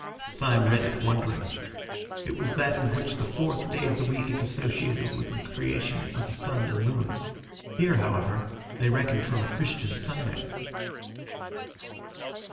Syme read it wondering. It was that in which the fourth day of the week is associated with the creation of the sun and moon. Here, however, they reckoned from a Christian Sunday.